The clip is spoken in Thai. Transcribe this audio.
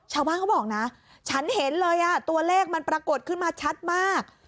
เขาบอกนะฉันเห็นเลยตัวเลขมันปรากฏขึ้นมาชัดมาก